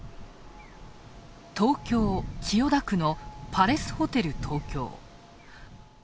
東京・千代田区のパレスホテル東京。